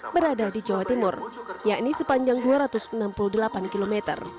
berada di jawa timur yakni sepanjang dua ratus enam puluh delapan km